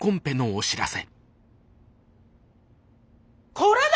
これだ！